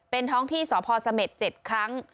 เป็นท้องที่สพเสม็ด๗ครั้ง